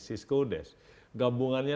sisco des gabungannya